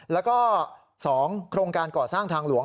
แล้วก็๒โครงการก่อสร้างทางหลวง